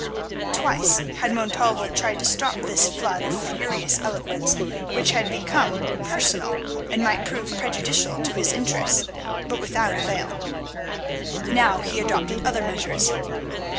Twice had Montalvo tried to stop this flood of furious eloquence, which had become personal and might prove prejudicial to his interests, but without avail. Now he adopted other measures.